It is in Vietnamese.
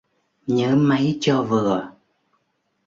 Nhớ mấy cho vừa